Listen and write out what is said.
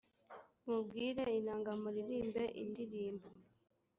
mubwire inanga muririmbe indirimbo